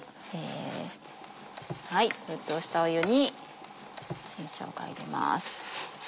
沸騰した湯に新しょうが入れます。